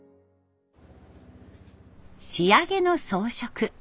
仕上げの装飾。